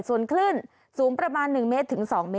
ส่วนขึ้นสูงประมาณ๑๒เมตร